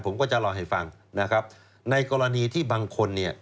ผมก็จะรอให้ฟังนะครับในกรณีที่บางคนเนี่ย